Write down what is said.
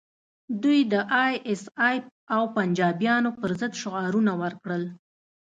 دوی د ای ایس ای او پنجابیانو پر ضد شعارونه ورکړل